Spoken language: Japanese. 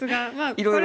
いろいろ。